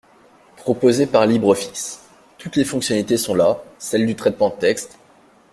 proposée par LibreOffice: toutes les fonctionnalités sont là, celles du traitement de texte